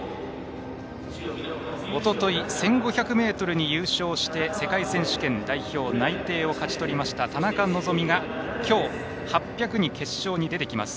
おととい１５００ｍに優勝して世界選手権代表内定を勝ち取った田中希実がきょう８００の決勝に出てきます。